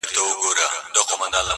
حاکم وویل بهتره ځای شېراز دئ!!